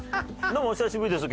どうもお久しぶりです